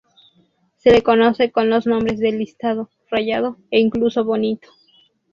Se le conoce con los nombres de Listado, Rayado e incluso Bonito.